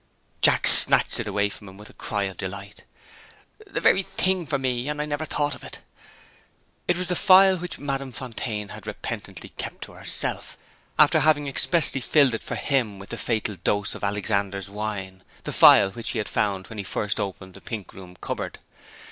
Jack snatched it away from him, with a cry of delight. "The very thing for me and I never thought of it!" It was the phial which Madame Fontaine had repentantly kept to herself, after having expressly filled it for him with the fatal dose of "Alexander's Wine" the phial which he had found, when he first opened the "Pink Room Cupboard."